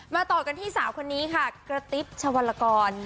ต่อกันที่สาวคนนี้ค่ะกระติ๊บชวรกร